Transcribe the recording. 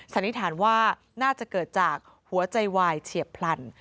สันนิษฐานว่าน่าจะเกิดจากหัวใจวายเฉียบพลัน